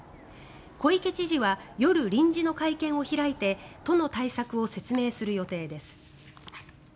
小池知事は夜、臨時の会見を開いて都の対策を説明する予定です。